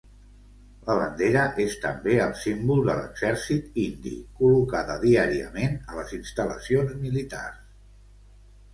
La bandera és també el símbol de l'exèrcit hindi, col·locada diàriament a les instal·lacions militars.